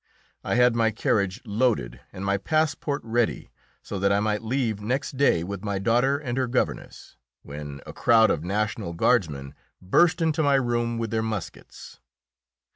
I had my carriage loaded, and my passport ready, so that I might leave next day with my daughter and her governess, when a crowd of national guardsmen burst into my room with their muskets.